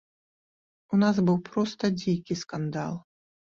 У нас быў проста дзікі скандал.